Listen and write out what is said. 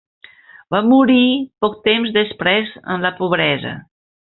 Va morir poc temps després en la pobresa.